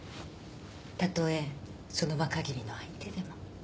たとえその場かぎりの相手でも。